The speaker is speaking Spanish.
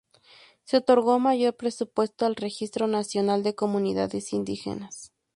Se otorgó mayor presupuesto al Registro Nacional de Comunidades Indígenas.